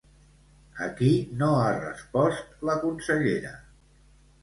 A qui no ha respost la consellera?